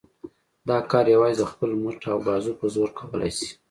دا کار یوازې د خپل مټ او بازو په زور کولای شي.